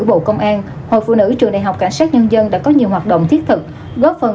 bộ công an hội phụ nữ trường đại học cảnh sát nhân dân đã có nhiều hoạt động thiết thực góp phần